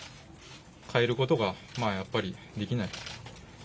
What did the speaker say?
変えることがやっぱりできない。